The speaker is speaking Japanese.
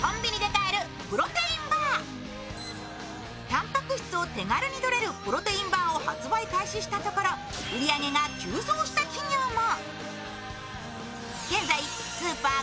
たんぱく質を手軽にとれるプロテインバーを発売したところ売り上げが急増した企業も。